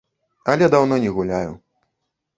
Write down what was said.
Але даўно не гуляю.